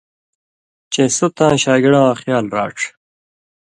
چے سو تاں شاگڑہ واں خیال راڇھ